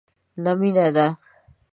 نه مینه ده،